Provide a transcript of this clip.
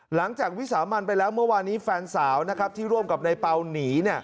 หลังจากวิสามันไปแล้วเมื่อวานี้แฟนสาวนะครับที่ร่วมกับในเปล่าหนีเนี่ย